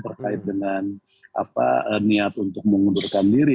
terkait dengan niat untuk mengundurkan diri